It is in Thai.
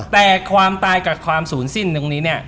แต่ความตายกับความสูญสิ้นอยู่รังนี้เนี่ย